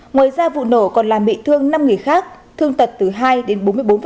ngoài ra vụ nổ còn làm bị thương năm người khác thương tật từ hai đến bốn mươi bốn